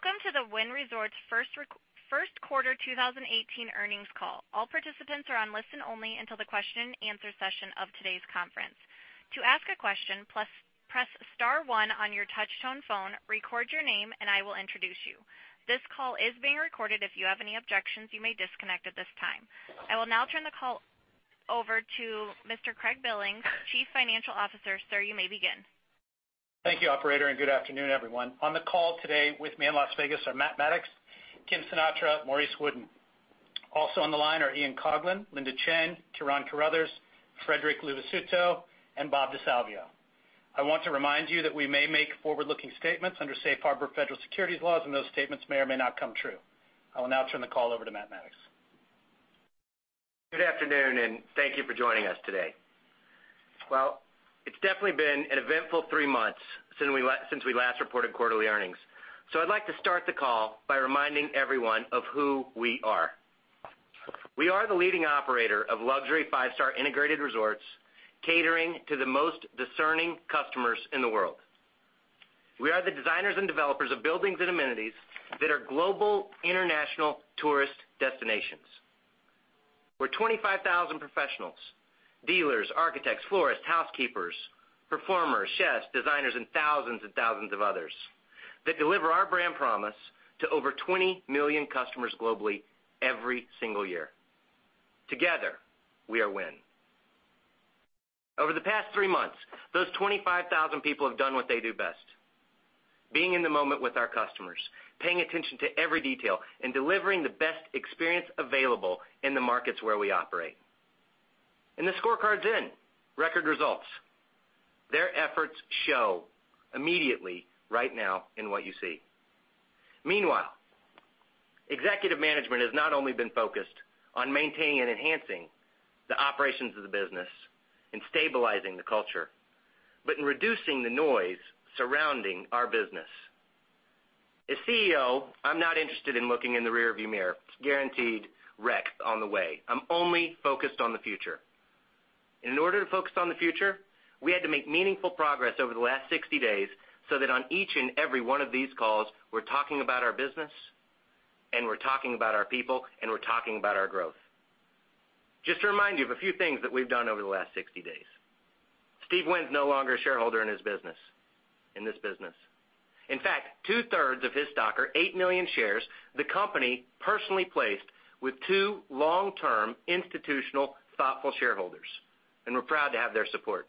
Welcome to the Wynn Resorts first quarter 2018 earnings call. All participants are on listen only until the question answer session of today's conference. To ask a question, press star one on your touchtone phone, record your name, and I will introduce you. This call is being recorded. If you have any objections, you may disconnect at this time. I will now turn the call over to Mr. Craig Billings, Chief Financial Officer. Sir, you may begin. Thank you, operator. Good afternoon, everyone. On the call today with me in Las Vegas are Matt Maddox, Kim Sinatra, Maurice Wooden. Also on the line are Ian Coughlan, Linda Chen, Ciaran Carruthers, Frederic Luvisutto, and Robert DeSalvio. I want to remind you that we may make forward-looking statements under safe harbor federal securities laws, those statements may or may not come true. I will now turn the call over to Matt Maddox. Good afternoon. Thank you for joining us today. Well, it's definitely been an eventful three months since we last reported quarterly earnings. I'd like to start the call by reminding everyone of who we are. We are the leading operator of luxury five-star integrated resorts catering to the most discerning customers in the world. We are the designers and developers of buildings and amenities that are global international tourist destinations. We're 25,000 professionals, dealers, architects, florists, housekeepers, performers, chefs, designers, and thousands and thousands of others that deliver our brand promise to over 20 million customers globally every single year. Together, we are Wynn. Over the past three months, those 25,000 people have done what they do best, being in the moment with our customers, paying attention to every detail, and delivering the best experience available in the markets where we operate. The scorecard's in. Record results. Their efforts show immediately right now in what you see. Meanwhile, executive management has not only been focused on maintaining and enhancing the operations of the business and stabilizing the culture, but in reducing the noise surrounding our business. As CEO, I'm not interested in looking in the rearview mirror. It's a guaranteed wreck on the way. I'm only focused on the future. In order to focus on the future, we had to make meaningful progress over the last 60 days, so that on each and every one of these calls, we're talking about our business, and we're talking about our people, and we're talking about our growth. Just to remind you of a few things that we've done over the last 60 days. Steve Wynn's no longer a shareholder in this business. In fact, two-thirds of his stock or 8 million shares, the company personally placed with two long-term institutional, thoughtful shareholders, and we're proud to have their support.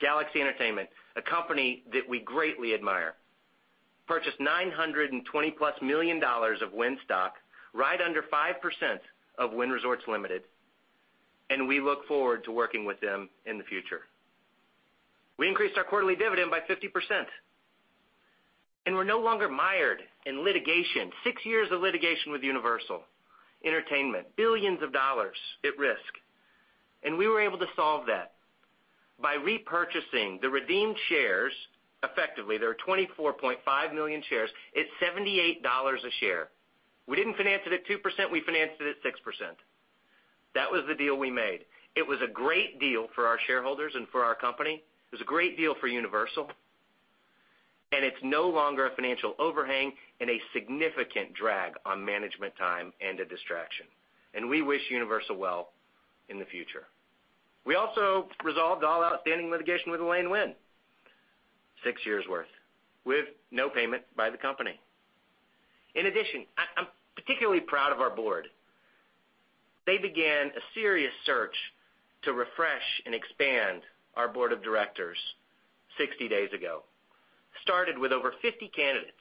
Galaxy Entertainment, a company that we greatly admire, purchased $920+ million of Wynn stock, right under 5% of Wynn Resorts, Limited, and we look forward to working with them in the future. We increased our quarterly dividend by 50%, and we're no longer mired in litigation. 6 years of litigation with Universal Entertainment, billions of dollars at risk. We were able to solve that by repurchasing the redeemed shares effectively, there are 24.5 million shares at $78 a share. We didn't finance it at 2%; we financed it at 6%. That was the deal we made. It was a great deal for our shareholders and for our company. It was a great deal for Universal, it's no longer a financial overhang and a significant drag on management time and a distraction. We wish Universal well in the future. We also resolved all outstanding litigation with Elaine Wynn, 6 years' worth, with no payment by the company. In addition, I'm particularly proud of our board. They began a serious search to refresh and expand our board of directors 60 days ago. Started with over 50 candidates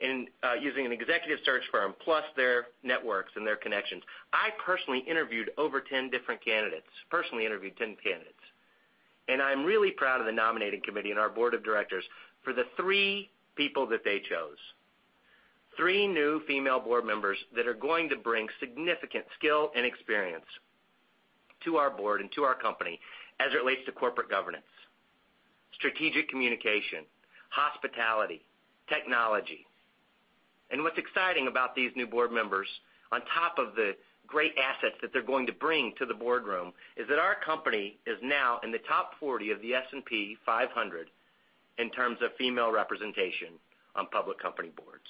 and using an executive search firm, plus their networks and their connections. I personally interviewed over 10 different candidates. Personally interviewed 10 candidates. I'm really proud of the nominating committee and our board of directors for the three people that they chose. Three new female board members that are going to bring significant skill and experience to our board and to our company as it relates to corporate governance, strategic communication, hospitality, technology. What's exciting about these new board members, on top of the great assets that they're going to bring to the boardroom, is that our company is now in the top 40 of the S&P 500 in terms of female representation on public company boards.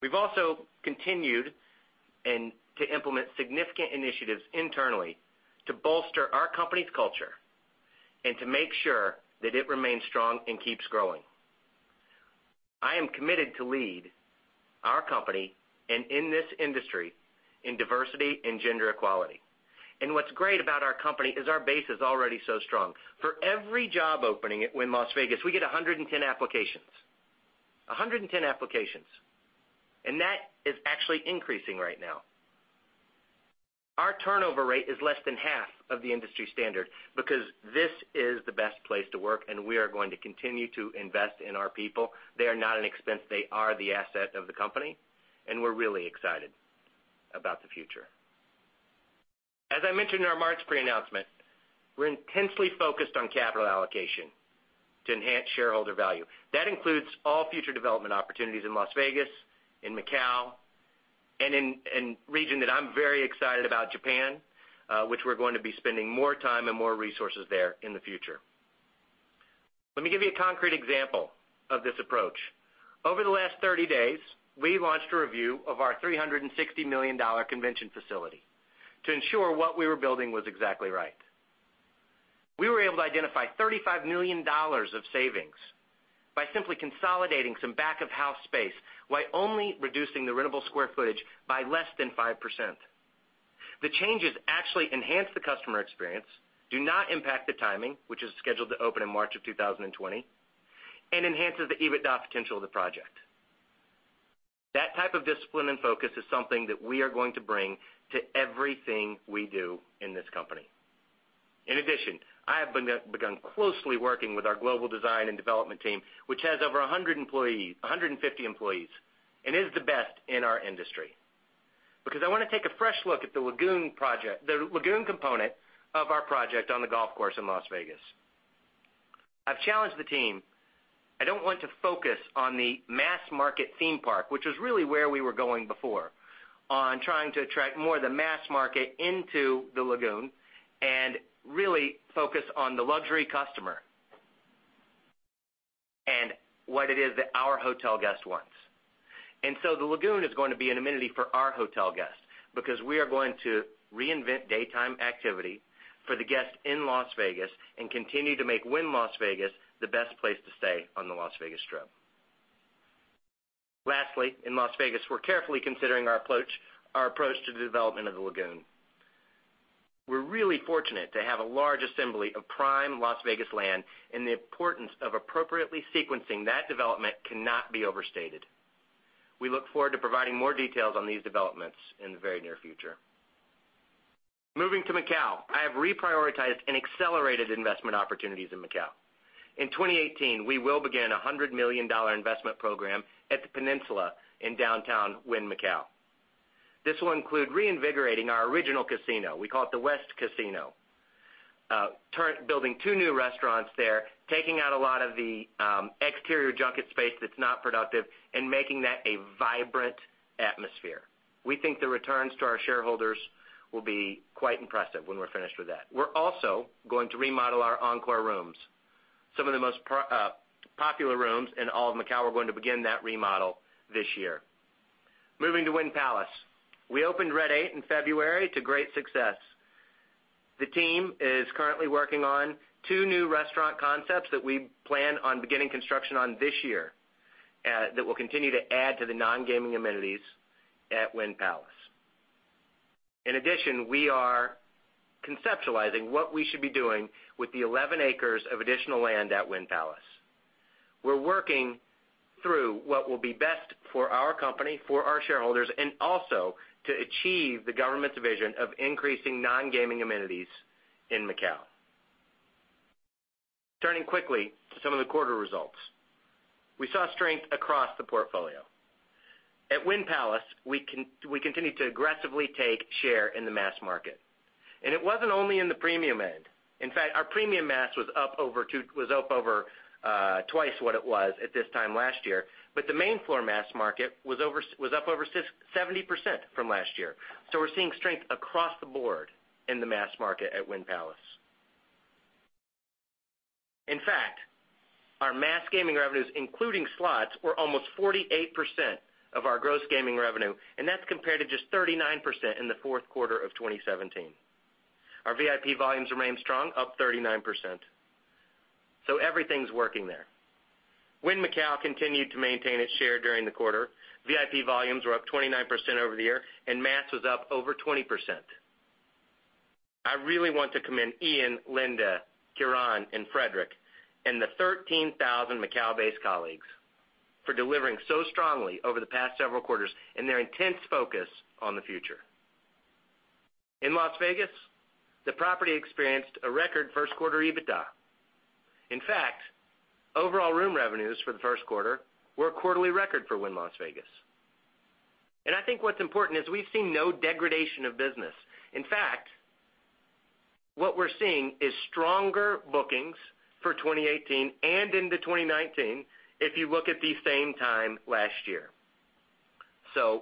We've also continued to implement significant initiatives internally to bolster our company's culture and to make sure that it remains strong and keeps growing. I am committed to lead our company and in this industry in diversity and gender equality. What's great about our company is our base is already so strong. For every job opening at Wynn Las Vegas, we get 110 applications. 110 applications. That is actually increasing right now. Our turnover rate is less than half of the industry standard because this is the best place to work, and we are going to continue to invest in our people. They are not an expense. They are the asset of the company, and we're really excited about the future. As I mentioned in our March pre-announcement, we're intensely focused on capital allocation to enhance shareholder value. That includes all future development opportunities in Las Vegas, in Macau. In a region that I'm very excited about, Japan, which we're going to be spending more time and more resources there in the future. Let me give you a concrete example of this approach. Over the last 30 days, we launched a review of our $360 million convention facility to ensure what we were building was exactly right. We were able to identify $35 million of savings by simply consolidating some back-of-house space while only reducing the rentable square footage by less than 5%. The changes actually enhance the customer experience, do not impact the timing, which is scheduled to open in March of 2020, and enhances the EBITDA potential of the project. That type of discipline and focus is something that we are going to bring to everything we do in this company. I have begun closely working with our global design and development team, which has over 150 employees and is the best in our industry, because I want to take a fresh look at the lagoon component of our project on the golf course in Las Vegas. I've challenged the team. I don't want to focus on the mass-market theme park, which is really where we were going before, on trying to attract more of the mass market into the lagoon and really focus on the luxury customer and what it is that our hotel guest wants. The lagoon is going to be an amenity for our hotel guests because we are going to reinvent daytime activity for the guests in Las Vegas and continue to make Wynn Las Vegas the best place to stay on the Las Vegas Strip. Lastly, in Las Vegas, we're carefully considering our approach to the development of the lagoon. We're really fortunate to have a large assembly of prime Las Vegas land, and the importance of appropriately sequencing that development cannot be overstated. We look forward to providing more details on these developments in the very near future. Moving to Macau. I have reprioritized and accelerated investment opportunities in Macau. In 2018, we will begin a $100 million investment program at the Peninsula in downtown Wynn Macau. This will include reinvigorating our original casino, we call it the West Casino. Building two new restaurants there, taking out a lot of the exterior junket space that's not productive, and making that a vibrant atmosphere. We think the returns to our shareholders will be quite impressive when we're finished with that. We're also going to remodel our Encore rooms, some of the most popular rooms in all of Macau. We're going to begin that remodel this year. Moving to Wynn Palace. We opened Red 8 in February to great success. The team is currently working on two new restaurant concepts that we plan on beginning construction on this year that will continue to add to the non-gaming amenities at Wynn Palace. In addition, we are conceptualizing what we should be doing with the 11 acres of additional land at Wynn Palace. We're working through what will be best for our company, for our shareholders, and also to achieve the government's vision of increasing non-gaming amenities in Macau. Turning quickly to some of the quarter results. We saw strength across the portfolio. At Wynn Palace, we continue to aggressively take share in the mass market. It wasn't only in the premium end. In fact, our premium mass was up over twice what it was at this time last year. The main floor mass market was up over 70% from last year. We're seeing strength across the board in the mass market at Wynn Palace. In fact, our mass gaming revenues, including slots, were almost 48% of our gross gaming revenue, and that's compared to just 39% in the fourth quarter of 2017. Our VIP volumes remain strong, up 39%. Everything's working there. Wynn Macau continued to maintain its share during the quarter. VIP volumes were up 29% over the year, and mass was up over 20%. I really want to commend Ian, Linda, Ciaran, and Frederic, and the 13,000 Macau-based colleagues for delivering so strongly over the past several quarters and their intense focus on the future. In Las Vegas, the property experienced a record first quarter EBITDA. In fact, overall room revenues for the first quarter were a quarterly record for Wynn Las Vegas. I think what's important is we've seen no degradation of business. In fact, what we're seeing is stronger bookings for 2018 and into 2019 if you look at the same time last year.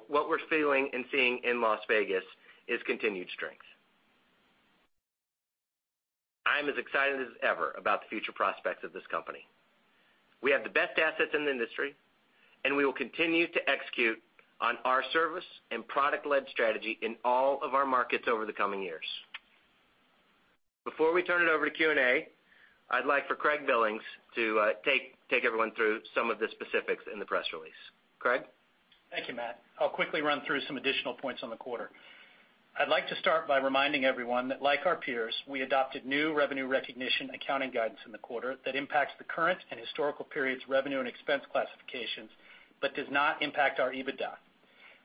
What we're feeling and seeing in Las Vegas is continued strength. I'm as excited as ever about the future prospects of this company. We have the best assets in the industry, we will continue to execute on our service and product-led strategy in all of our markets over the coming years. Before we turn it over to Q&A, I'd like for Craig Billings to take everyone through some of the specifics in the press release. Craig? Thank you, Matt. I'll quickly run through some additional points on the quarter. I'd like to start by reminding everyone that, like our peers, we adopted new revenue recognition accounting guidance in the quarter that impacts the current and historical periods revenue and expense classifications, but does not impact our EBITDA.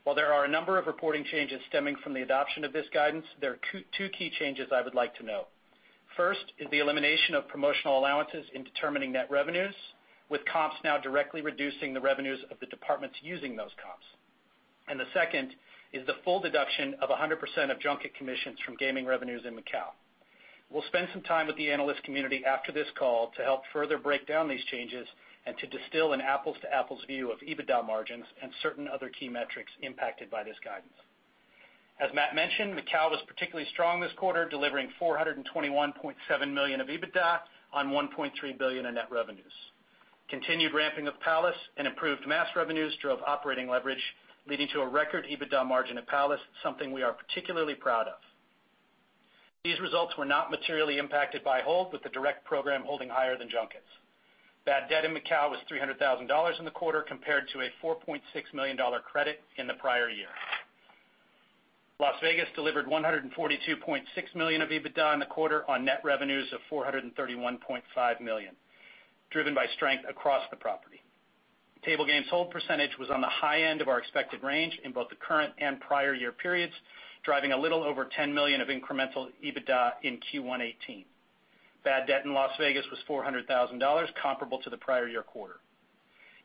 While there are a number of reporting changes stemming from the adoption of this guidance, there are two key changes I would like to note. First is the elimination of promotional allowances in determining net revenues, with comps now directly reducing the revenues of the departments using those comps. The second is the full deduction of 100% of junket commissions from gaming revenues in Macau. We'll spend some time with the analyst community after this call to help further break down these changes and to distill an apples to apples view of EBITDA margins and certain other key metrics impacted by this guidance. As Matt mentioned, Macau was particularly strong this quarter, delivering $421.7 million of EBITDA on $1.3 billion in net revenues. Continued ramping of Palace and improved mass revenues drove operating leverage, leading to a record EBITDA margin at Palace, something we are particularly proud of. These results were not materially impacted by hold with the direct program holding higher than junkets. Bad debt in Macau was $300,000 in the quarter, compared to a $4.6 million credit in the prior year. Las Vegas delivered $142.6 million of EBITDA in the quarter on net revenues of $431.5 million, driven by strength across the property. Table games hold percentage was on the high end of our expected range in both the current and prior year periods, driving a little over $10 million of incremental EBITDA in Q1 2018. Bad debt in Wynn Las Vegas was $400,000, comparable to the prior year quarter.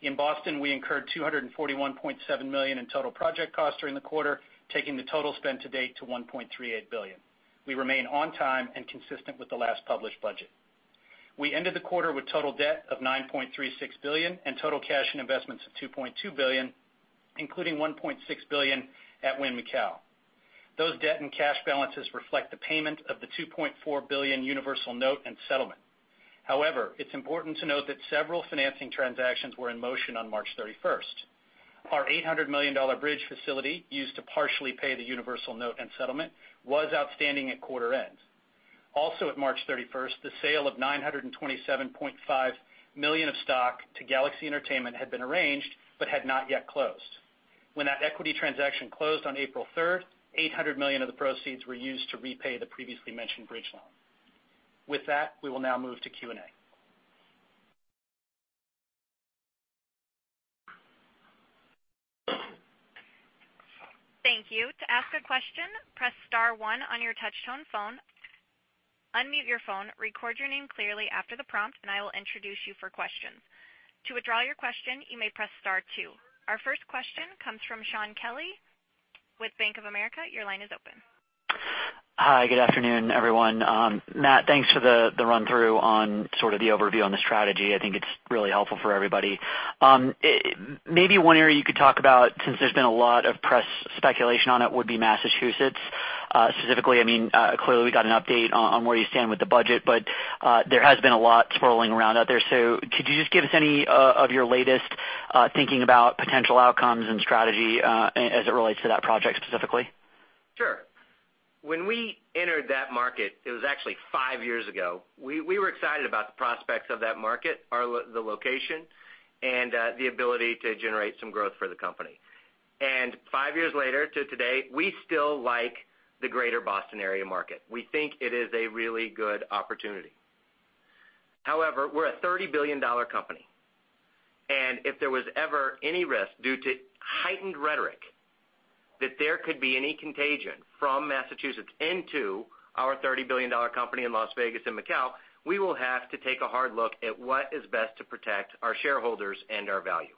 In Boston, we incurred $241.7 million in total project costs during the quarter, taking the total spend to date to $1.38 billion. We remain on time and consistent with the last published budget. We ended the quarter with total debt of $9.36 billion and total cash and investments of $2.2 billion, including $1.6 billion at Wynn Macau. Those debt and cash balances reflect the payment of the $2.4 billion Universal note and settlement. It's important to note that several financing transactions were in motion on March 31st. Our $800 million bridge facility, used to partially pay the Universal note and settlement, was outstanding at quarter end. At March 31st, the sale of 927.5 million of stock to Galaxy Entertainment had been arranged but had not yet closed. When that equity transaction closed on April 3rd, $800 million of the proceeds were used to repay the previously mentioned bridge loan. We will now move to Q&A. Thank you. To ask a question, press *1 on your touchtone phone, unmute your phone, record your name clearly after the prompt, I will introduce you for questions. To withdraw your question, you may press *2. Our first question comes from Shaun Kelley with Bank of America. Your line is open. Hi, good afternoon, everyone. Matt, thanks for the run-through on sort of the overview on the strategy. I think it's really helpful for everybody. Maybe one area you could talk about, since there's been a lot of press speculation on it, would be Massachusetts. Specifically, clearly we got an update on where you stand with the budget, there has been a lot swirling around out there. Could you just give us any of your latest thinking about potential outcomes and strategy as it relates to that project specifically? Sure. When we entered that market, it was actually 5 years ago. We were excited about the prospects of that market, the location, and the ability to generate some growth for the company. Five years later to today, we still like the greater Boston area market. We think it is a really good opportunity. We are a $30 billion company, and if there was ever any risk, due to heightened rhetoric, that there could be any contagion from Massachusetts into our $30 billion company in Las Vegas and Macau, we will have to take a hard look at what is best to protect our shareholders and our value.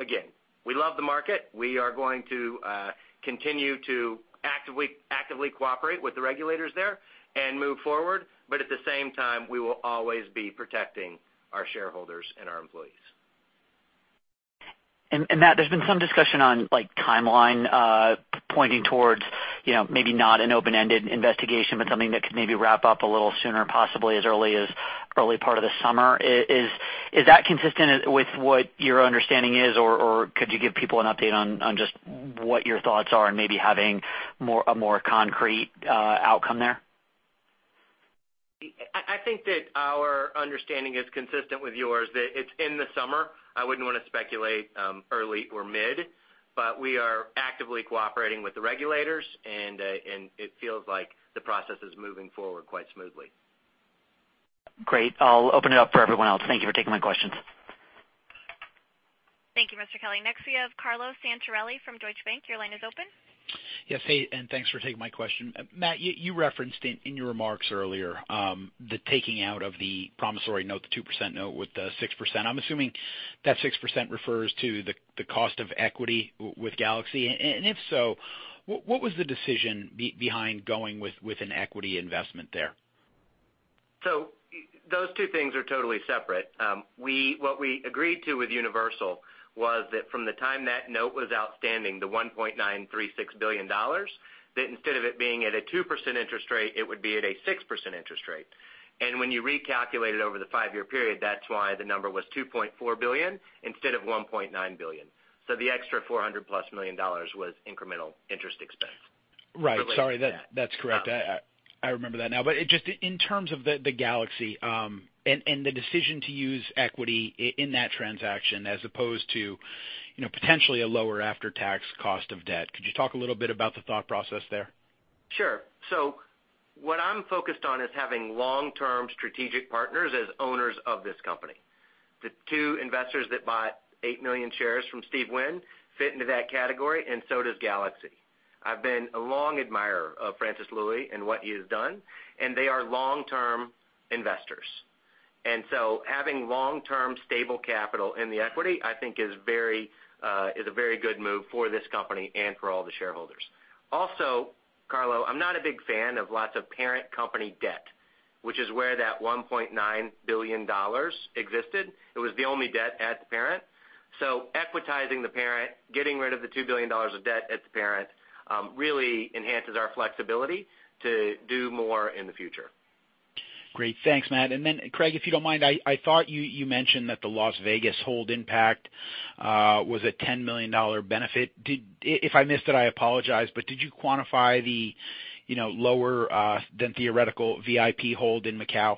Again, we love the market. We are going to continue to actively cooperate with the regulators there and move forward. At the same time, we will always be protecting our shareholders and our employees. Matt, there's been some discussion on timeline, pointing towards maybe not an open-ended investigation, but something that could maybe wrap up a little sooner, possibly as early as early part of the summer. Is that consistent with what your understanding is, or could you give people an update on just what your thoughts are on maybe having a more concrete outcome there? I think that our understanding is consistent with yours, that it's in the summer. I wouldn't want to speculate early or mid, but we are actively cooperating with the regulators, and it feels like the process is moving forward quite smoothly. Great. I'll open it up for everyone else. Thank you for taking my questions. Thank you, Mr. Kelley. Next, we have Carlo Santarelli from Deutsche Bank. Your line is open. Yes. Hey, thanks for taking my question. Matt, you referenced in your remarks earlier the taking out of the promissory note, the 2% note with the 6%. I'm assuming that 6% refers to the cost of equity with Galaxy. If so, what was the decision behind going with an equity investment there? Those two things are totally separate. What we agreed to with Universal was that from the time that note was outstanding, the $1.936 billion, that instead of it being at a 2% interest rate, it would be at a 6% interest rate. When you recalculate it over the five-year period, that's why the number was $2.4 billion instead of $1.9 billion. The extra $400-plus million was incremental interest expense related to that. Right. Sorry. That's correct. I remember that now. Just in terms of the Galaxy and the decision to use equity in that transaction as opposed to potentially a lower after-tax cost of debt, could you talk a little bit about the thought process there? Sure. What I'm focused on is having long-term strategic partners as owners of this company. The two investors that bought 8 million shares from Steve Wynn fit into that category, and so does Galaxy. I've been a long admirer of Francis Lui and what he has done. They are long-term investors Having long-term stable capital in the equity, I think is a very good move for this company and for all the shareholders. Also, Carlo, I'm not a big fan of lots of parent company debt, which is where that $1.9 billion existed. It was the only debt at the parent. Equitizing the parent, getting rid of the $2 billion of debt at the parent, really enhances our flexibility to do more in the future. Great. Thanks, Matt. Craig, if you don't mind, I thought you mentioned that the Las Vegas hold impact was a $10 million benefit. If I missed it, I apologize, but did you quantify the lower than theoretical VIP hold in Macau?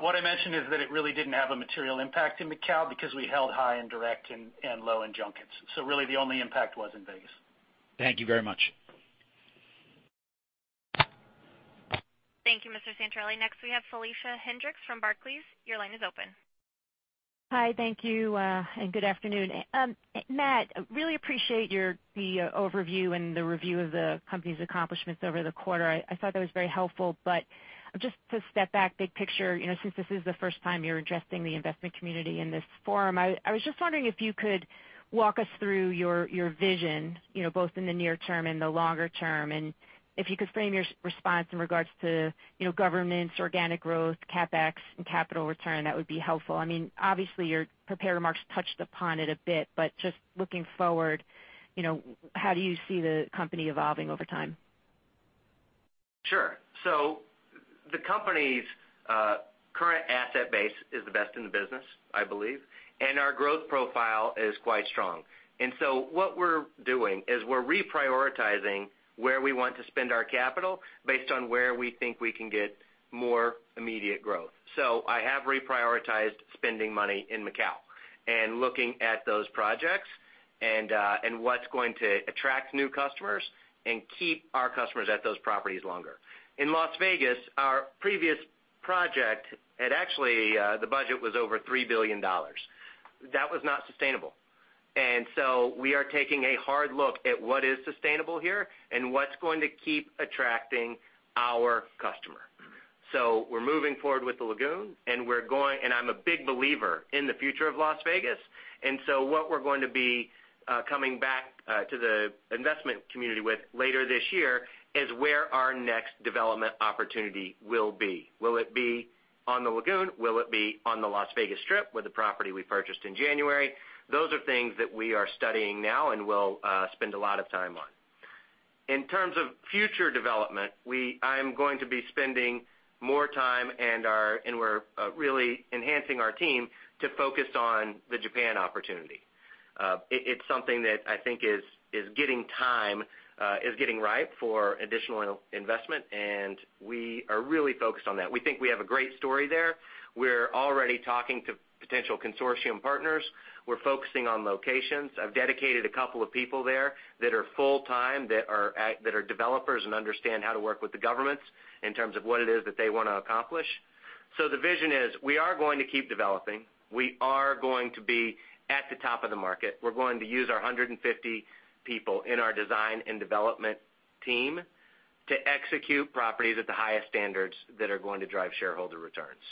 What I mentioned is that it really didn't have a material impact in Macau because we held high in direct and low in junkets. Really the only impact was in Vegas. Thank you very much. Thank you, Mr. Santarelli. Next we have Felicia Hendrix from Barclays. Your line is open. Hi, thank you, good afternoon. Matt, really appreciate the overview and the review of the company's accomplishments over the quarter. I thought that was very helpful. Just to step back big picture, since this is the first time you're addressing the investment community in this forum, I was just wondering if you could walk us through your vision, both in the near term and the longer term, and if you could frame your response in regards to governments, organic growth, CapEx, and capital return, that would be helpful. Obviously, your prepared remarks touched upon it a bit. Just looking forward, how do you see the company evolving over time? Sure. The company's current asset base is the best in the business, I believe, and our growth profile is quite strong. What we're doing is we're reprioritizing where we want to spend our capital based on where we think we can get more immediate growth. I have reprioritized spending money in Macau and looking at those projects and what's going to attract new customers and keep our customers at those properties longer. In Las Vegas, our previous project, and actually, the budget was over $3 billion. That was not sustainable. We are taking a hard look at what is sustainable here and what's going to keep attracting our customer. We're moving forward with the lagoon, and I'm a big believer in the future of Las Vegas. What we're going to be coming back to the investment community with later this year is where our next development opportunity will be. Will it be on the lagoon? Will it be on the Las Vegas Strip with the property we purchased in January? Those are things that we are studying now and will spend a lot of time on. In terms of future development, I am going to be spending more time, and we're really enhancing our team to focus on the Japan opportunity. It's something that I think is getting ripe for additional investment, and we are really focused on that. We think we have a great story there. We're already talking to potential consortium partners. We're focusing on locations. I've dedicated a couple of people there that are full-time, that are developers and understand how to work with the governments in terms of what it is that they want to accomplish. The vision is we are going to keep developing. We are going to be at the top of the market. We're going to use our 150 people in our design and development team to execute properties at the highest standards that are going to drive shareholder returns.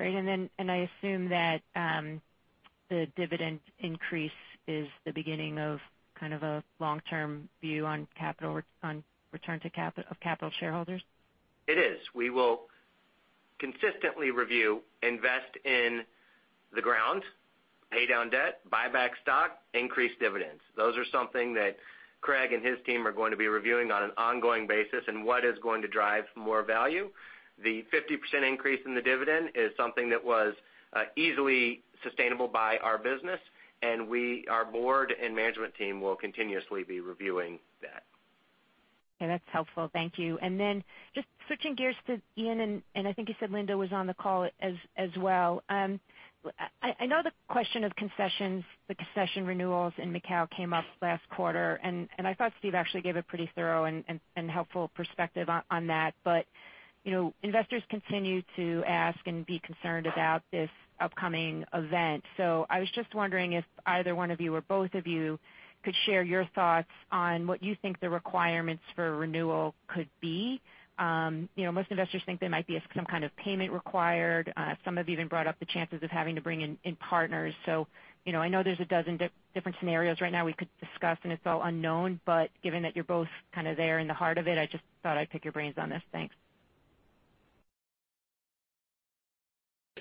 Great. I assume that the dividend increase is the beginning of kind of a long-term view on return of capital to shareholders. It is. We will consistently review, invest in the ground, pay down debt, buy back stock, increase dividends. Those are something that Craig and his team are going to be reviewing on an ongoing basis and what is going to drive more value. The 50% increase in the dividend is something that was easily sustainable by our business, and our board and management team will continuously be reviewing that. Okay, that's helpful. Thank you. Just switching gears to Ian, I think you said Linda was on the call as well. I know the question of concessions, the concession renewals in Macau came up last quarter, I thought Steve actually gave a pretty thorough and helpful perspective on that. Investors continue to ask and be concerned about this upcoming event. I was just wondering if either one of you or both of you could share your thoughts on what you think the requirements for renewal could be. Most investors think there might be some kind of payment required. Some have even brought up the chances of having to bring in partners. I know there's 12 different scenarios right now we could discuss, and it's all unknown, but given that you're both kind of there in the heart of it, I just thought I'd pick your brains on this. Thanks.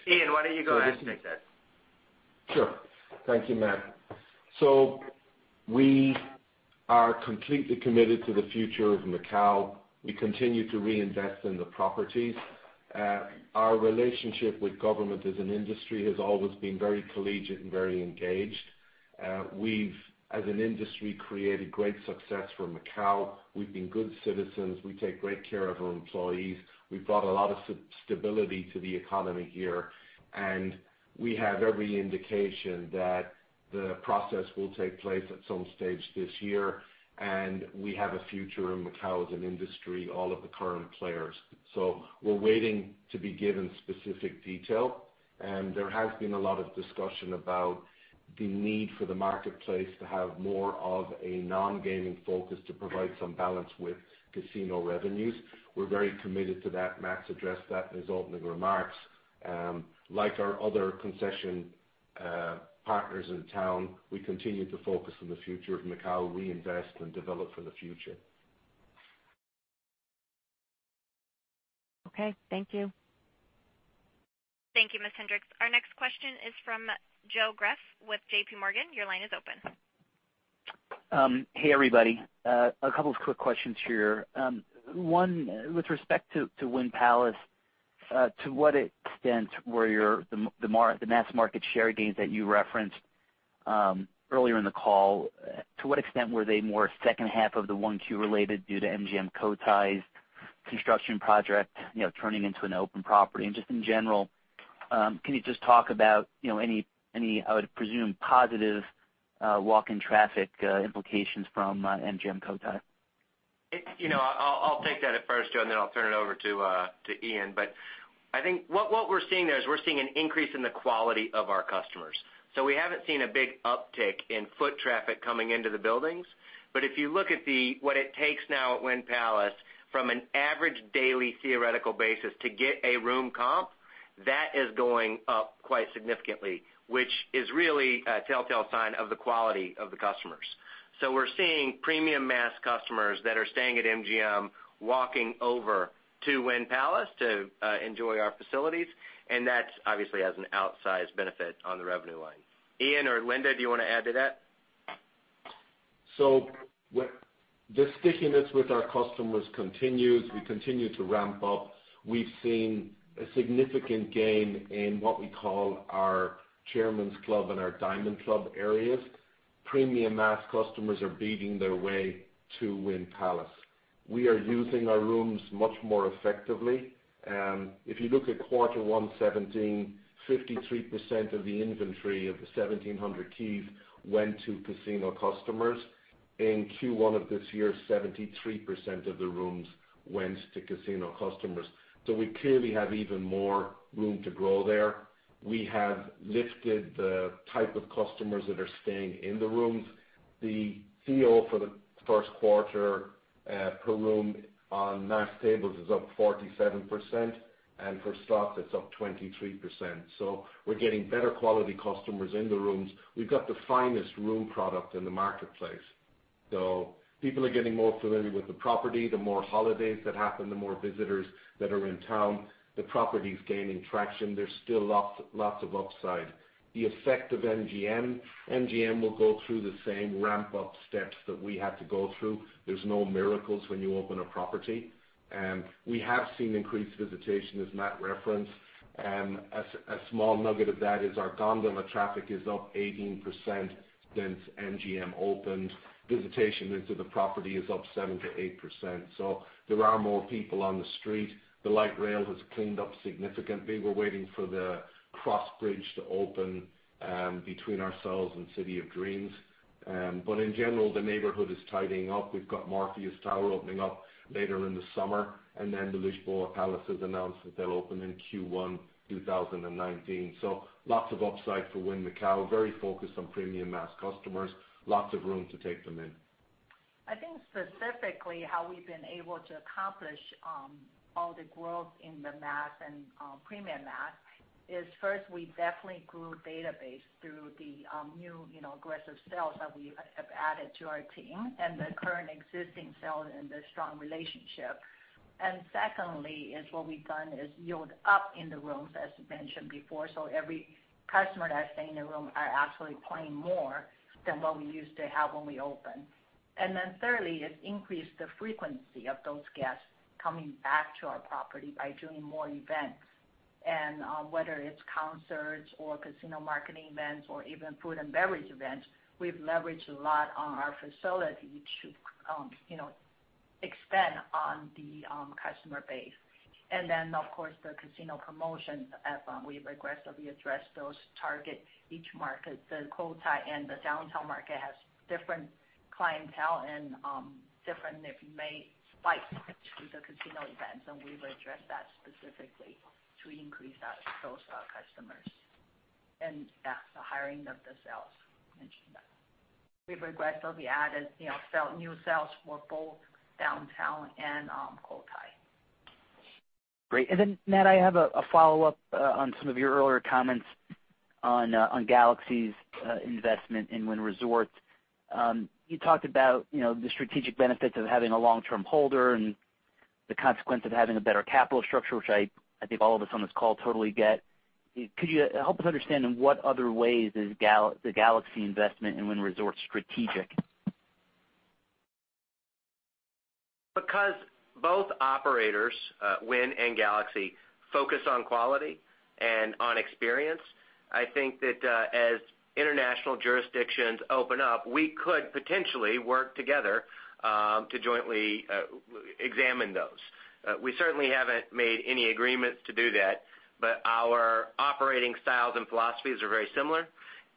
Ian, why don't you go ahead and take that? Sure. Thank you, Matt. We are completely committed to the future of Macau. We continue to reinvest in the properties. Our relationship with government as an industry has always been very collegiate and very engaged. We've, as an industry, created great success for Macau. We've been good citizens. We take great care of our employees. We've brought a lot of stability to the economy here, and we have every indication that the process will take place at some stage this year, and we have a future in Macau as an industry, all of the current players. We're waiting to be given specific detail, and there has been a lot of discussion about the need for the marketplace to have more of a non-gaming focus to provide some balance with casino revenues. We're very committed to that. Matt's addressed that in his opening remarks. Like our other concession partners in town. We continue to focus on the future of Macau, reinvest, and develop for the future. Okay. Thank you. Thank you, Ms. Hendrix. Our next question is from Joseph Greff with J.P. Morgan, your line is open. Hey, everybody. A couple of quick questions here. One, with respect to Wynn Palace, the mass market share gains that you referenced earlier in the call, to what extent were they more second half of the Q1 related due to MGM Cotai's construction project turning into an open property? And just in general, can you just talk about any, I would presume, positive walk-in traffic implications from MGM Cotai? I'll take that at first, Joe, and then I'll turn it over to Ian. I think what we're seeing there is we're seeing an increase in the quality of our customers. We haven't seen a big uptick in foot traffic coming into the buildings. If you look at what it takes now at Wynn Palace, from an average daily theoretical basis to get a room comp, that is going up quite significantly, which is really a telltale sign of the quality of the customers. We're seeing premium mass customers that are staying at MGM walking over to Wynn Palace to enjoy our facilities, and that obviously has an outsized benefit on the revenue line. Ian or Linda, do you want to add to that? The stickiness with our customers continues. We continue to ramp up. We've seen a significant gain in what we call our Chairman's Club and our Diamond Club areas. Premium mass customers are beating their way to Wynn Palace. We are using our rooms much more effectively. If you look at Q1 2017, 53% of the inventory of the 1,700 keys went to casino customers. In Q1 of this year, 73% of the rooms went to casino customers. We clearly have even more room to grow there. We have lifted the type of customers that are staying in the rooms. The feel for the first quarter per room on mass tables is up 47%, and for slots, it's up 23%. We're getting better quality customers in the rooms. We've got the finest room product in the marketplace. People are getting more familiar with the property. The more holidays that happen, the more visitors that are in town, the property's gaining traction. There's still lots of upside. The effect of MGM. MGM will go through the same ramp-up steps that we had to go through. There's no miracles when you open a property, and we have seen increased visitation, as Matt referenced. A small nugget of that is our gondola traffic is up 18% since MGM opened. Visitation into the property is up 7%-8%, so there are more people on the street. The light rail has cleaned up significantly. We're waiting for the cross bridge to open between ourselves and City of Dreams. In general, the neighborhood is tidying up. We've got Morpheus Tower opening up later in the summer, and then the Lisboa Palace has announced that they'll open in Q1 2019. Lots of upside for Wynn Macau, very focused on premium mass customers, lots of room to take them in. I think specifically how we've been able to accomplish all the growth in the mass and premium mass is first, we definitely grew database through the new aggressive sales that we have added to our team and the current existing sales and the strong relationship. Secondly is what we've done is yield up in the rooms, as mentioned before. Every customer that's staying in a room are actually playing more than what we used to have when we opened. Thirdly, it's increased the frequency of those guests coming back to our property by doing more events. Whether it's concerts or casino marketing events or even food and beverage events, we've leveraged a lot on our facility to expand on the customer base. Of course, the casino promotions, as we aggressively address those target each market. The Cotai and the Downtown market has different clientele and different, if you may, spikes to the casino events, and we've addressed that specifically to increase those customers. The hiring of the sales mentioned that. We've aggressively added new sales for both Downtown and Cotai. Great. Matt, I have a follow-up on some of your earlier comments on Galaxy's investment in Wynn Resorts. You talked about the strategic benefits of having a long-term holder and the consequence of having a better capital structure, which I think all of us on this call totally get. Could you help us understand in what other ways is the Galaxy investment in Wynn Resorts strategic? Because both operators, Wynn and Galaxy, focus on quality and on experience, I think that as international jurisdictions open up, we could potentially work together to jointly examine those. We certainly haven't made any agreements to do that, but our operating styles and philosophies are very similar,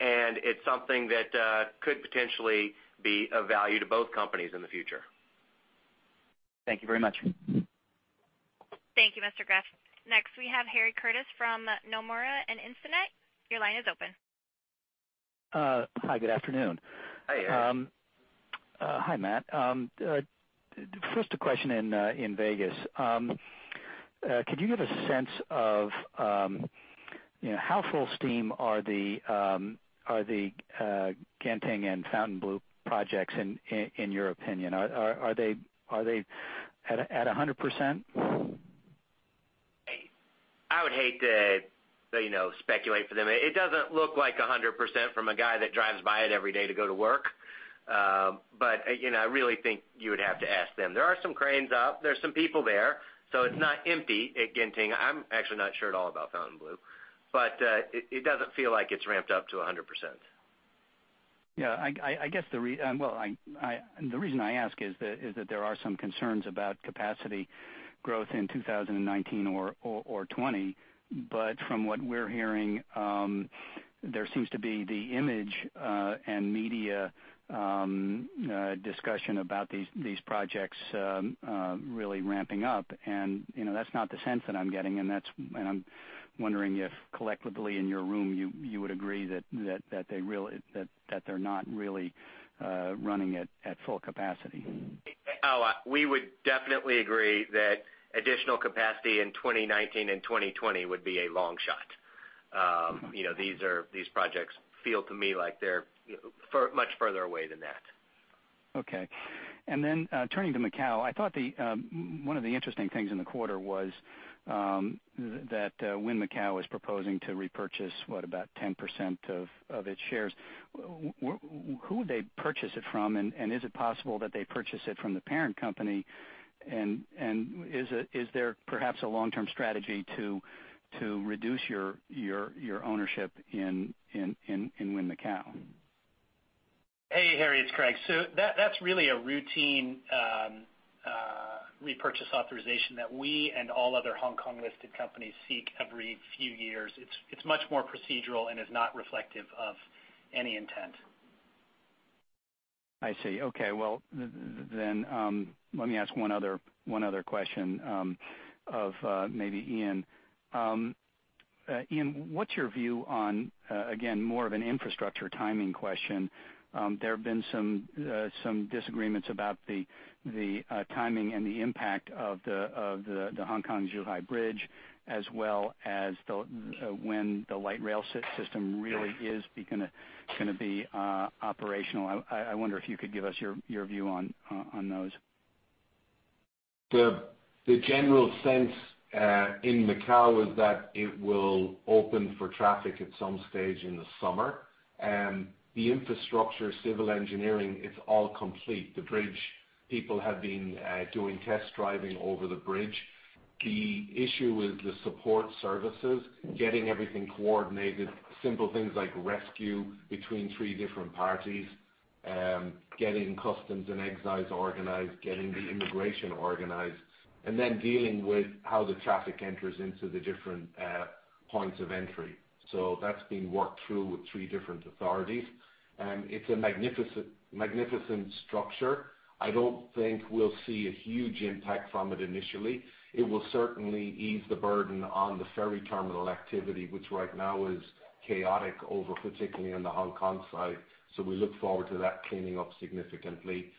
and it's something that could potentially be of value to both companies in the future. Thank you very much. Thank you, Mr. Greff. Next, we have Harry Curtis from Nomura Instinet. Your line is open. Hi, good afternoon. Hi, Harry. Hi, Matt. First, a question in Vegas. Could you give a sense of how full steam are the Genting and Fontainebleau projects in your opinion? Are they at 100%? I would hate to speculate for them. It doesn't look like 100% from a guy that drives by it every day to go to work. I really think you would have to ask them. There are some cranes up, there's some people there, so it's not empty at Genting. I'm actually not sure at all about Fontainebleau. It doesn't feel like it's ramped up to 100%. Yeah. The reason I ask is that there are some concerns about capacity growth in 2019 or 2020. From what we're hearing, there seems to be the image and media discussion about these projects really ramping up, and that's not the sense that I'm getting, and I'm wondering if collectively in your room, you would agree that they're not really running at full capacity. We would definitely agree that additional capacity in 2019 and 2020 would be a long shot. These projects feel to me like they're much further away than that. Okay. Then, turning to Macau, I thought one of the interesting things in the quarter was that Wynn Macau is proposing to repurchase, what, about 10% of its shares. Who would they purchase it from, and is it possible that they purchase it from the parent company? Is there perhaps a long-term strategy to reduce your ownership in Wynn Macau? Hey, Harry, it's Craig. That's really a routine repurchase authorization that we and all other Hong Kong listed companies seek every few years. It's much more procedural and is not reflective of any intent. I see. Okay. Let me ask one other question of maybe Ian. Ian, what's your view on, again, more of an infrastructure timing question. There have been some disagreements about the timing and the impact of the Hong Kong-Zhuhai-Macau Bridge, as well as when the light rail system really is going to be operational. I wonder if you could give us your view on those. The general sense in Macau is that it will open for traffic at some stage in the summer. The infrastructure, civil engineering, it's all complete. The bridge, people have been doing test driving over the bridge. The issue is the support services, getting everything coordinated, simple things like rescue between three different parties, getting customs and excise organized, getting the immigration organized, dealing with how the traffic enters into the different points of entry. That's being worked through with three different authorities. It's a magnificent structure. I don't think we'll see a huge impact from it initially. It will certainly ease the burden on the ferry terminal activity, which right now is chaotic over, particularly on the Hong Kong side. We look forward to that cleaning up significantly.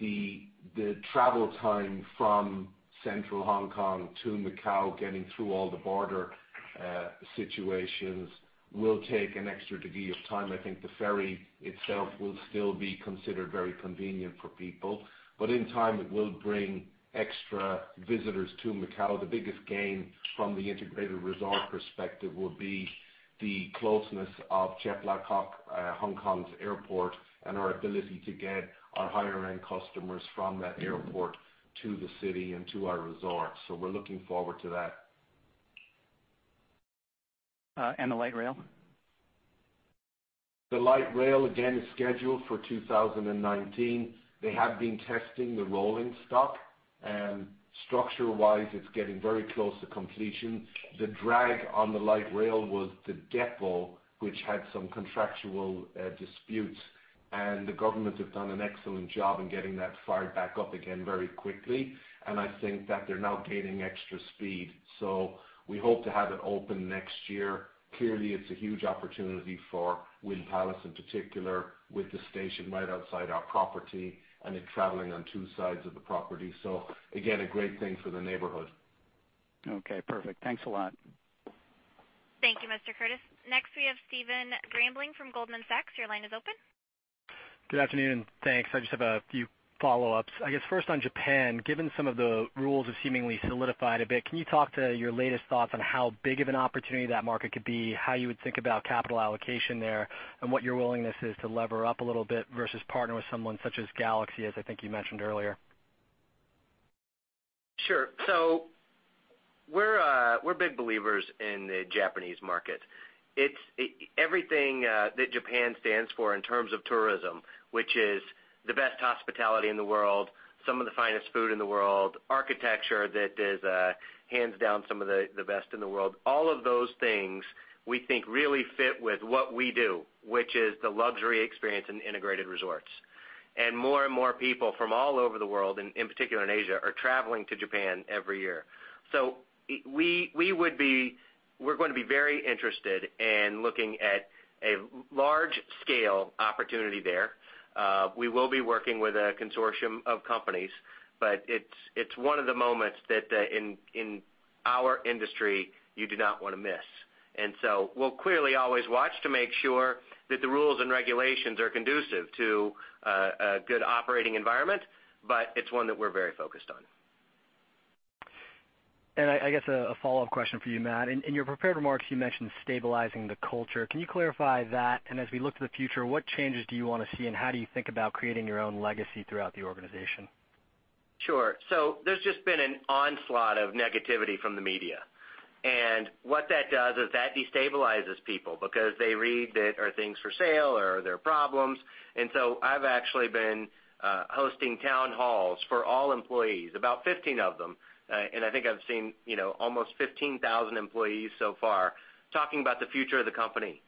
The travel time from central Hong Kong to Macau, getting through all the border situations will take an extra degree of time. I think the ferry itself will still be considered very convenient for people, but in time it will bring extra visitors to Macau. The biggest gain from the integrated resort perspective will be the closeness of Chek Lap Kok, Hong Kong's airport, and our ability to get our higher-end customers from that airport to the city and to our resorts. We're looking forward to that. The light rail? The light rail, again, is scheduled for 2019. They have been testing the rolling stock. Structure-wise, it's getting very close to completion. The drag on the light rail was the depot, which had some contractual disputes, the government have done an excellent job in getting that fired back up again very quickly, I think that they're now gaining extra speed. We hope to have it open next year. Clearly, it's a huge opportunity for Wynn Palace in particular, with the station right outside our property and it traveling on two sides of the property. Again, a great thing for the neighborhood. Okay, perfect. Thanks a lot. Thank you, Mr. Curtis. Next, we have Stephen Grambling from Goldman Sachs. Your line is open. Good afternoon, thanks. I just have a few follow-ups. I guess first on Japan, given some of the rules have seemingly solidified a bit, can you talk to your latest thoughts on how big of an opportunity that market could be, how you would think about capital allocation there, and what your willingness is to lever up a little bit versus partner with someone such as Galaxy, as I think you mentioned earlier? Sure. We're big believers in the Japanese market. Everything that Japan stands for in terms of tourism, which is the best hospitality in the world, some of the finest food in the world, architecture that is hands down some of the best in the world. All of those things we think really fit with what we do, which is the luxury experience in integrated resorts. More and more people from all over the world, in particular in Asia, are traveling to Japan every year. We're going to be very interested in looking at a large-scale opportunity there. We will be working with a consortium of companies, it's one of the moments that in our industry, you do not want to miss. We'll clearly always watch to make sure that the rules and regulations are conducive to a good operating environment, it's one that we're very focused on. I guess a follow-up question for you, Matt. In your prepared remarks, you mentioned stabilizing the culture. Can you clarify that? As we look to the future, what changes do you want to see, and how do you think about creating your own legacy throughout the organization? Sure. There's just been an onslaught of negativity from the media. What that does is that destabilizes people because they read that are things for sale or are there problems. I've actually been hosting town halls for all employees, about 15 of them, and I think I've seen almost 15,000 employees so far, talking about the future of the company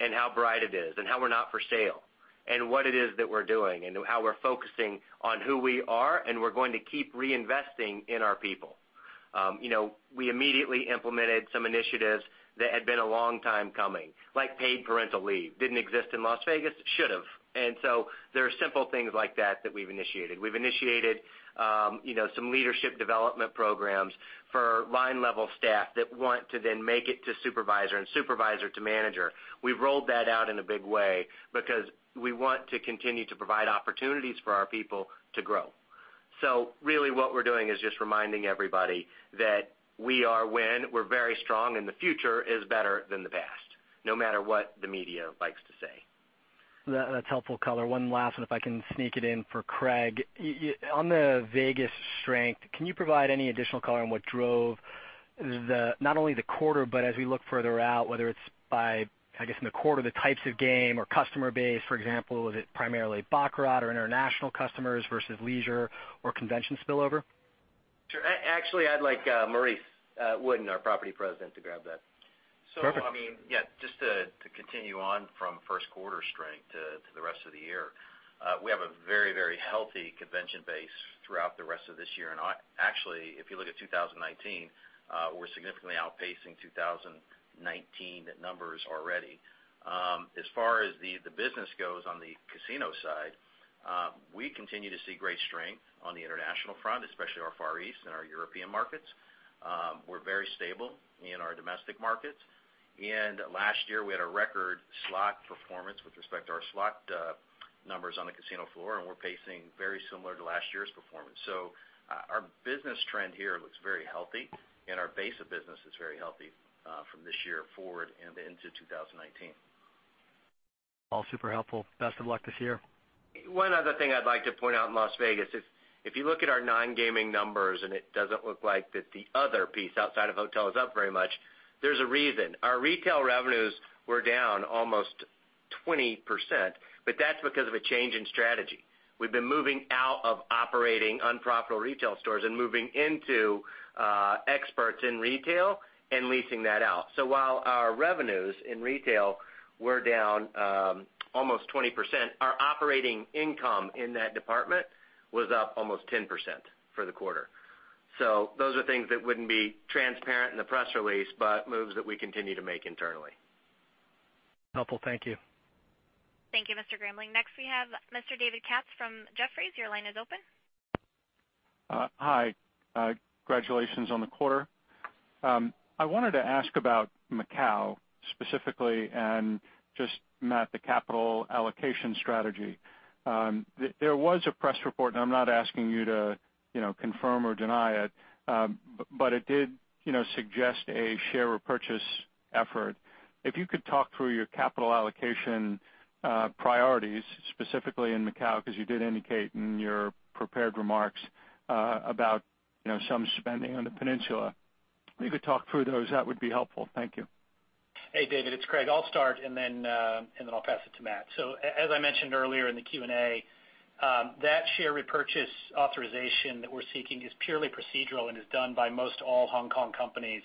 and how bright it is and how we're not for sale and what it is that we're doing and how we're focusing on who we are, and we're going to keep reinvesting in our people. We immediately implemented some initiatives that had been a long time coming, like paid parental leave. Didn't exist in Las Vegas. It should have. There are simple things like that that we've initiated. We've initiated some leadership development programs for line-level staff that want to then make it to supervisor and supervisor to manager. We've rolled that out in a big way because we want to continue to provide opportunities for our people to grow. Really what we're doing is just reminding everybody that we are Wynn, we're very strong, and the future is better than the past, no matter what the media likes to say. That's helpful color. One last one if I can sneak it in for Craig. On the Vegas strength, can you provide any additional color on what drove not only the quarter, but as we look further out, whether it's by, I guess in the quarter, the types of game or customer base? For example, was it primarily baccarat or international customers versus leisure or convention spillover? Sure. Actually, I'd like Maurice Wooden, our property president, to grab that. Perfect. Just to continue on from first quarter strength to the rest of the year. We have a very healthy convention base throughout the rest of this year. Actually, if you look at 2019, we're significantly outpacing 2019 numbers already. As far as the business goes on the casino side, we continue to see great strength on the international front, especially our Far East and our European markets. We're very stable in our domestic markets. Last year, we had a record slot performance with respect to our slot numbers on the casino floor, and we're pacing very similar to last year's performance. Our business trend here looks very healthy, and our base of business is very healthy from this year forward and into 2019. All super helpful. Best of luck this year. One other thing I'd like to point out in Las Vegas is if you look at our non-gaming numbers, and it doesn't look like that the other piece outside of hotel is up very much, there's a reason. Our retail revenues were down almost 20%, but that's because of a change in strategy. We've been moving out of operating unprofitable retail stores and moving into experts in retail and leasing that out. While our revenues in retail were down almost 20%, our operating income in that department was up almost 10% for the quarter. Those are things that wouldn't be transparent in the press release, but moves that we continue to make internally. Helpful. Thank you. Thank you, Mr. Grambling. Next we have Mr. David Katz from Jefferies. Your line is open. Hi. Congratulations on the quarter. I wanted to ask about Macau specifically and just, Matt, the capital allocation strategy. There was a press report, and I'm not asking you to confirm or deny it, but it did suggest a share repurchase effort. If you could talk through your capital allocation priorities, specifically in Macau, because you did indicate in your prepared remarks about some spending on the peninsula. If you could talk through those, that would be helpful. Thank you. Hey, David. It's Craig. I'll start, and then I'll pass it to Matt. As I mentioned earlier in the Q&A, that share repurchase authorization that we're seeking is purely procedural and is done by most all Hong Kong companies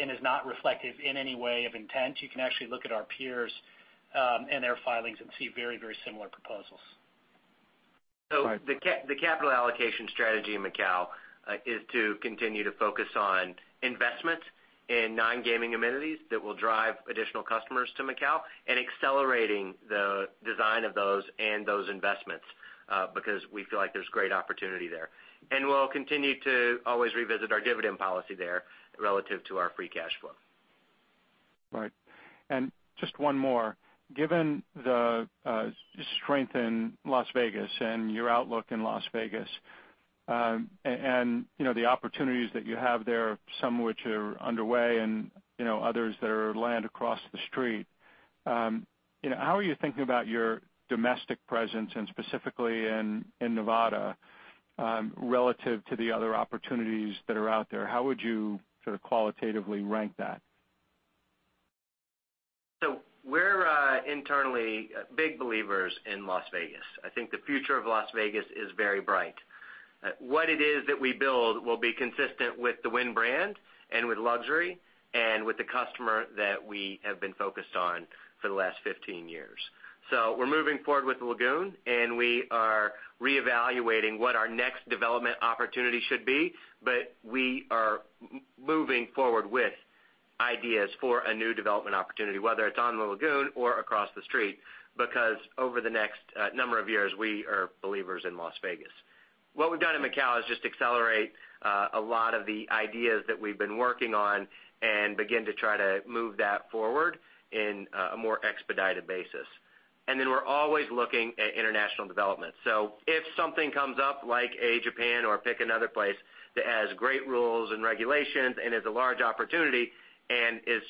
and is not reflective in any way of intent. You can actually look at our peers and their filings and see very similar proposals. All right. The capital allocation strategy in Macau is to continue to focus on investments in non-gaming amenities that will drive additional customers to Macau and accelerating the design of those and those investments, because we feel like there's great opportunity there. We'll continue to always revisit our dividend policy there relative to our free cash flow. Right. Just one more. Given the strength in Las Vegas and your outlook in Las Vegas, and the opportunities that you have there, some which are underway and others that are land across the street, how are you thinking about your domestic presence and specifically in Nevada, relative to the other opportunities that are out there? How would you sort of qualitatively rank that? We're internally big believers in Las Vegas. I think the future of Las Vegas is very bright. What it is that we build will be consistent with the Wynn brand and with luxury, and with the customer that we have been focused on for the last 15 years. We're moving forward with the lagoon, and we are reevaluating what our next development opportunity should be, but we are moving forward with ideas for a new development opportunity, whether it's on the lagoon or across the street, because over the next number of years, we are believers in Las Vegas. What we've done in Macau is just accelerate a lot of the ideas that we've been working on and begin to try to move that forward in a more expedited basis. We're always looking at international development. If something comes up like a Japan or pick another place that has great rules and regulations and is a large opportunity and is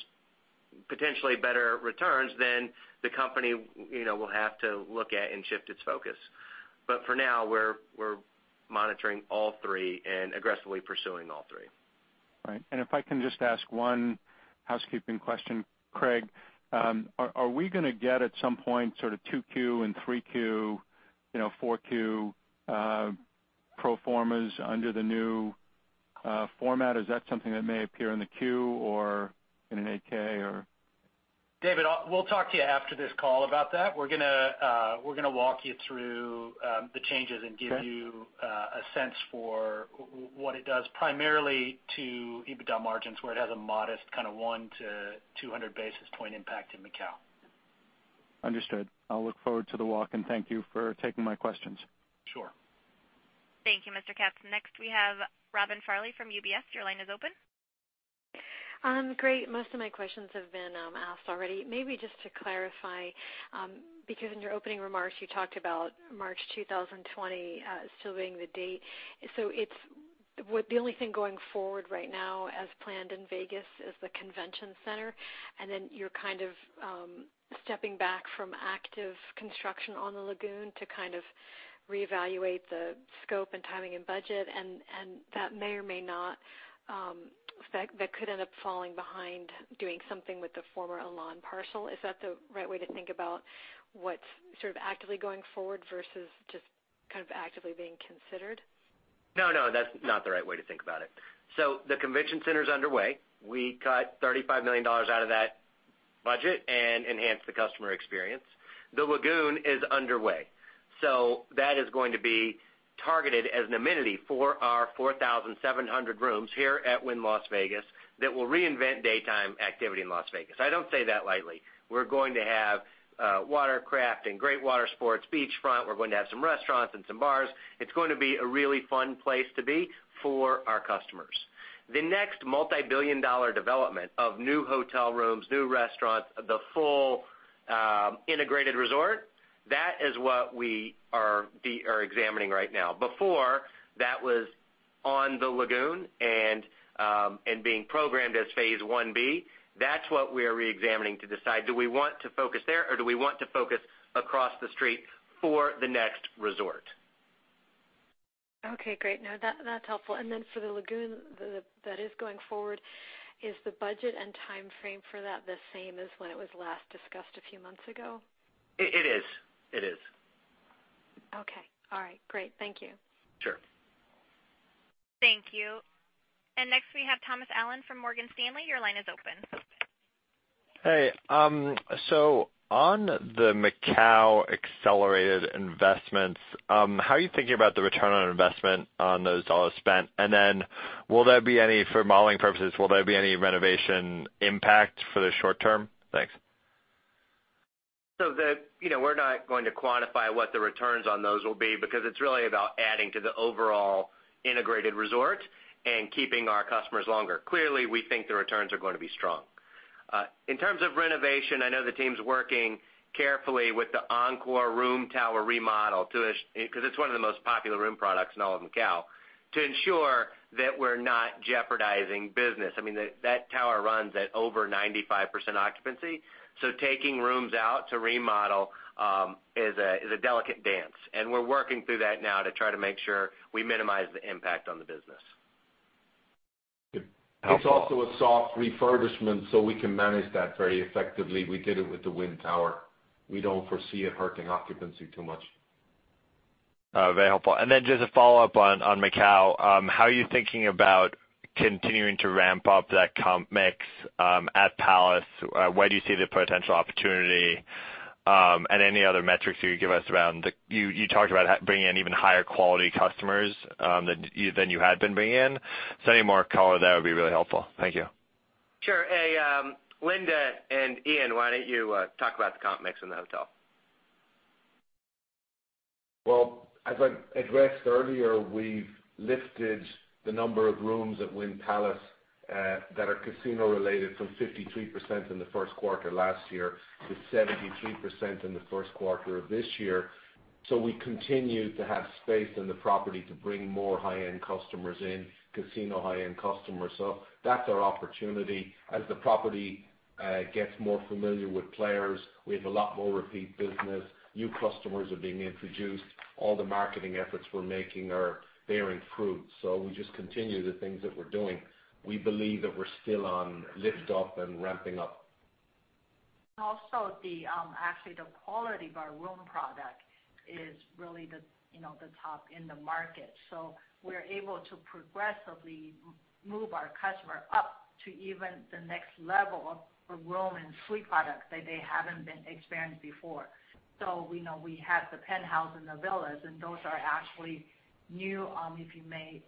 potentially better returns, then the company will have to look at and shift its focus. For now, we're monitoring all three and aggressively pursuing all three. Right. If I can just ask one housekeeping question, Craig, are we going to get at some point sort of Q2 and Q3, Q4 pro formas under the new format? Is that something that may appear in the queue or in an 8-K or? David, we'll talk to you after this call about that. We're going to walk you through the changes and give you a sense for what it does primarily to EBITDA margins, where it has a modest kind of 1-200 basis point impact in Macau. Understood. I'll look forward to the walk, and thank you for taking my questions. Sure. Thank you, Mr. Katz. Next we have Robin Farley from UBS. Your line is open. Great. Most of my questions have been asked already. Maybe just to clarify, because in your opening remarks, you talked about March 2020, still being the date. The only thing going forward right now as planned in Vegas is the convention center, and then you're kind of stepping back from active construction on the lagoon to kind of reevaluate the scope and timing and budget, and that could end up falling behind doing something with the former Alon parcel. Is that the right way to think about what's sort of actively going forward versus just kind of actively being considered? No, that's not the right way to think about it. The convention center's underway. We cut $35 million out of that budget and enhanced the customer experience. The lagoon is underway. That is going to be targeted as an amenity for our 4,700 rooms here at Wynn Las Vegas that will reinvent daytime activity in Las Vegas. I don't say that lightly. We're going to have watercraft and great water sports, beachfront. We're going to have some restaurants and some bars. It's going to be a really fun place to be for our customers. The next multibillion-dollar development of new hotel rooms, new restaurants, the full integrated resort, that is what we are examining right now. Before, that was on the lagoon and being programmed as phase 1B. That's what we are re-examining to decide, do we want to focus there, or do we want to focus across the street for the next resort? Okay, great. No, that's helpful. Then for the lagoon that is going forward, is the budget and timeframe for that the same as when it was last discussed a few months ago? It is. Okay. All right. Great. Thank you. Sure. Thank you. Next we have Thomas Allen from Morgan Stanley. Your line is open. Hey. On the Macau accelerated investments, how are you thinking about the return on investment on those dollars spent? For modeling purposes, will there be any renovation impact for the short term? Thanks. We're not going to quantify what the returns on those will be because it's really about adding to the overall integrated resort and keeping our customers longer. Clearly, we think the returns are going to be strong. In terms of renovation, I know the team's working carefully with the Encore room tower remodel, because it's one of the most popular room products in all of Macau, to ensure that we're not jeopardizing business. I mean, that tower runs at over 95% occupancy. Taking rooms out to remodel is a delicate dance. We're working through that now to try to make sure we minimize the impact on the business. Good. Helpful. It's also a soft refurbishment, we can manage that very effectively. We did it with the Wynn tower. We don't foresee it hurting occupancy too much. Very helpful. Just a follow-up on Macau. How are you thinking about continuing to ramp up that comp mix at Wynn Palace? Where do you see the potential opportunity? Any other metrics you could give us around you talked about bringing in even higher quality customers than you had been bringing in. Any more color there would be really helpful. Thank you. Sure. Linda and Ian, why don't you talk about the comp mix in the hotel? Well, as I addressed earlier, we've lifted the number of rooms at Wynn Palace that are casino-related from 53% in the first quarter last year to 73% in the first quarter of this year. We continue to have space in the property to bring more high-end customers in, casino high-end customers. That's our opportunity. As the property gets more familiar with players, we have a lot more repeat business. New customers are being introduced. All the marketing efforts we're making are bearing fruit. We just continue the things that we're doing. We believe that we're still on lift-off and ramping up. Also, actually, the quality of our room product is really the top in the market. We're able to progressively move our customer up to even the next level of room and suite product that they haven't experienced before. We know we have the penthouse and the villas, and those are actually new, if you may,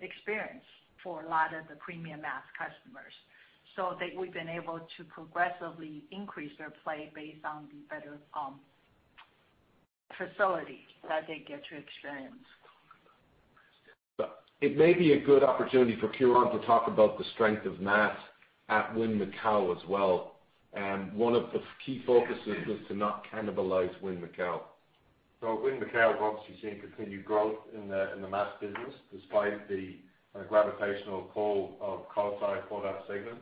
experience for a lot of the premium mass customers. We've been able to progressively increase their play based on the better facility that they get to experience. It may be a good opportunity for Ciaran to talk about the strength of mass at Wynn Macau as well. One of the key focuses was to not cannibalize Wynn Macau. Wynn Macau has obviously seen continued growth in the mass business, despite the gravitational pull of Cotai for that segment.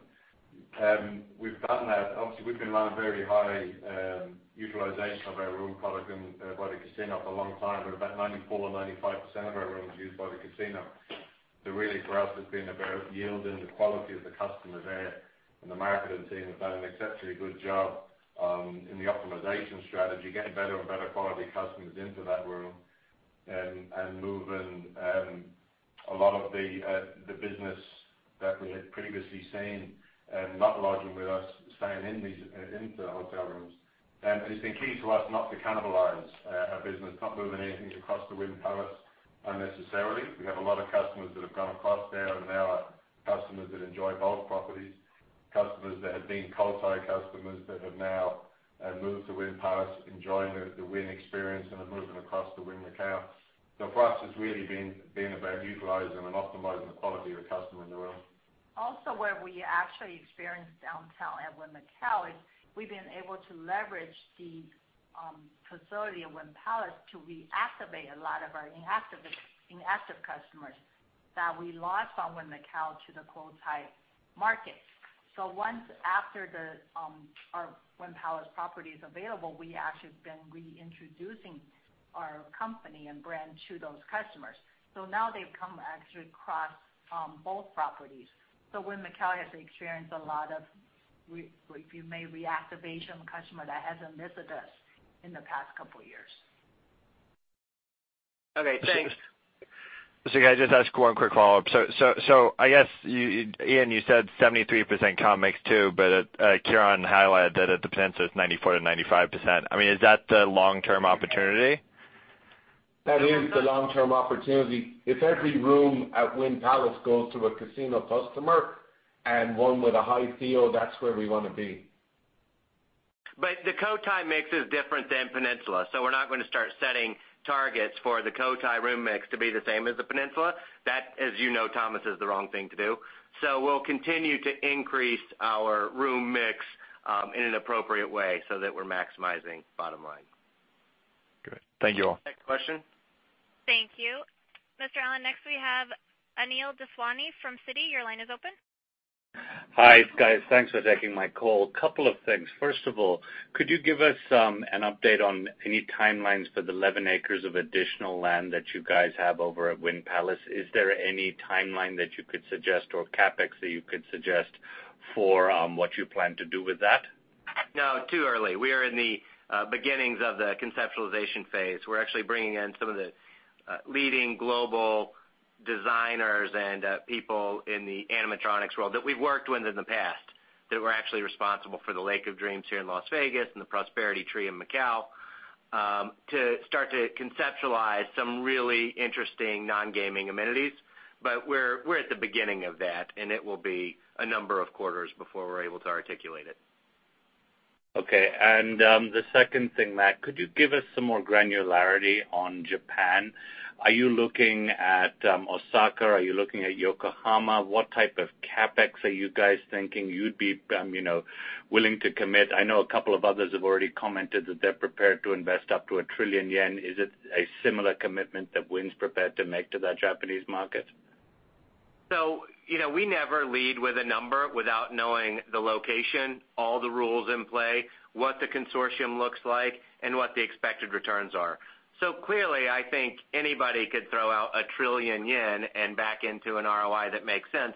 We've done that. Obviously, we've been running very high utilization of our room product by the casino for a long time, but about 94% or 95% of our rooms are used by the casino. Really for us, it's been about yielding the quality of the customer there, and the marketing team have done an exceptionally good job in the optimization strategy, getting better and better quality customers into that room, and moving a lot of the business that we had previously seen, not lodging with us, staying into the hotel rooms. It's been key to us not to cannibalize our business, not moving anything across to Wynn Palace unnecessarily. We have a lot of customers that have gone across there and now are customers that enjoy both properties, customers that have been Cotai customers that have now moved to Wynn Palace, enjoying the Wynn experience, and are moving across to Wynn Macau. For us, it's really been about utilizing and optimizing the quality of customer in the room. Also, where we actually experienced downtown at Wynn Macau is, we've been able to leverage the facility of Wynn Palace to reactivate a lot of our inactive customers that we lost from Wynn Macau to the Cotai market. Once, after our Wynn Palace property is available, we actually have been reintroducing our company and brand to those customers. Now they've come actually across both properties. Wynn Macau has experienced a lot of, if you may, reactivation customer that hasn't visited us in the past couple years. Okay, thanks. Can I just ask one quick follow-up? I guess, Ian, you said 73% comp mix too, but Ciaran highlighted that at Peninsula, it's 94%-95%. Is that the long-term opportunity? That is the long-term opportunity. If every room at Wynn Palace goes to a casino customer, and one with a high feel, that's where we want to be. The Cotai mix is different than Peninsula, we're not going to start setting targets for the Cotai room mix to be the same as the Peninsula. That, as you know, Thomas, is the wrong thing to do. We'll continue to increase our room mix in an appropriate way so that we're maximizing bottom line. Good. Thank you all. Next question. Thank you. Mr. Allen, next we have Anil Daswani from Citi. Your line is open. Hi, guys. Thanks for taking my call. Couple of things. First of all, could you give us an update on any timelines for the 11 acres of additional land that you guys have over at Wynn Palace? Is there any timeline that you could suggest, or CapEx that you could suggest for what you plan to do with that? No, too early. We are in the beginnings of the conceptualization phase. We're actually bringing in some of the leading global designers and people in the animatronics world that we've worked with in the past, that were actually responsible for the Lake of Dreams here in Las Vegas and the Tree of Prosperity in Macau, to start to conceptualize some really interesting non-gaming amenities. We're at the beginning of that, and it will be a number of quarters before we're able to articulate it. Okay. The second thing, Matt, could you give us some more granularity on Japan? Are you looking at Osaka? Are you looking at Yokohama? What type of CapEx are you guys thinking you'd be willing to commit? I know a couple of others have already commented that they're prepared to invest up to 1 trillion yen. Is it a similar commitment that Wynn's prepared to make to that Japanese market? We never lead with a number without knowing the location, all the rules in play, what the consortium looks like, and what the expected returns are. Clearly, I think anybody could throw out 1 trillion yen and back into an ROI that makes sense.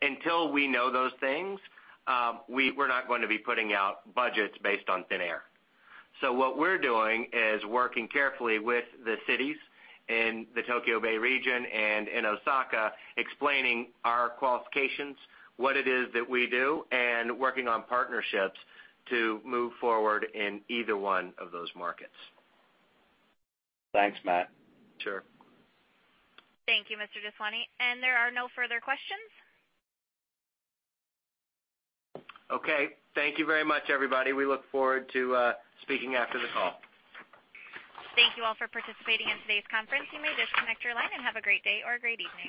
Until we know those things, we're not going to be putting out budgets based on thin air. What we're doing is working carefully with the cities in the Tokyo Bay region and in Osaka, explaining our qualifications, what it is that we do, and working on partnerships to move forward in either one of those markets. Thanks, Matt. Sure. Thank you, Mr. Daswani. There are no further questions. Okay. Thank you very much, everybody. We look forward to speaking after the call. Thank you all for participating in today's conference. You may disconnect your line, and have a great day or a great evening.